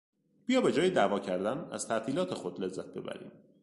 بیا به جای دعوا کردن از تعطیلات خود لذت ببریم!